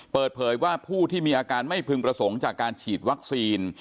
เปิดเผยว่าผู้ที่มีอาการไม่พึงประสงค์จากการฉีดวัคซีน